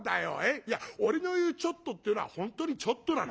いや俺の言う『ちょっと』っていうのは本当にちょっとなの。